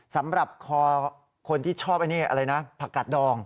สำหรับคนที่ชอบผักกาดดอง